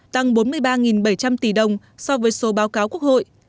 tăng bốn mươi ba bảy trăm linh tỷ đồng so với số báo cáo quốc hội